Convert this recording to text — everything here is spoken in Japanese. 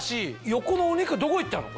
横のお肉どこ行ったの？